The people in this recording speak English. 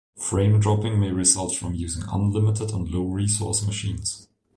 Frame dropping may result from using 'Unlimited' on low-resource machines.